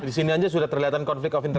disini saja sudah terlihat konflik of interest